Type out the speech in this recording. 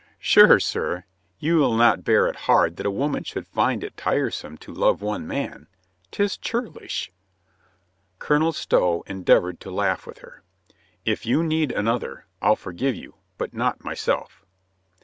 "Sure, sir, you'll not bear it hard that a woman should find it tiresome to love one man? 'Tis churlish !" Colonel Stow endeavored to laugh with her. "If you need another, I'll forgive you, but not myself."